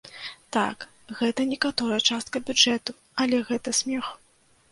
Так, гэта некаторая частка бюджэту, але гэта смех.